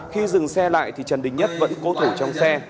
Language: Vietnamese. khi dừng xe lại thì trần đình nhất vẫn cố thủ trong xe